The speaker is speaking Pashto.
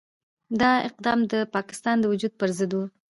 دا اقدام د پاکستان د وجود پرضد وو.